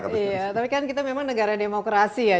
iya tapi kan kita memang negara demokrasi ya